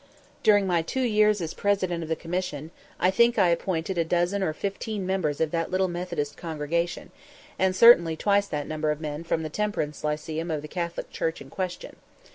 During my two years as President of the Commission I think I appointed a dozen or fifteen members of that little Methodist congregation, and certainly twice that number of men from the temperance lyceum of the Catholic church in question.